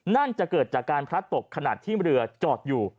นั่นจะเกิดจากการพระตกขนาดที่เรือจอดอยู่